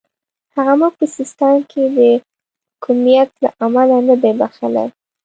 هغه موږ په سیستان کې د حکمیت له امله نه دی بخښلی.